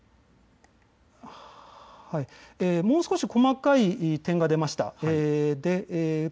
もう少し細かい点が出ました。